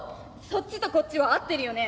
そっちとこっちは合ってるよね？